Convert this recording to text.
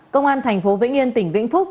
công an thành phố vĩnh yên tỉnh vĩnh phúc